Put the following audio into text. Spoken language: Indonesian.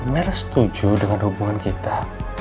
mer setuju dengan hubungan kita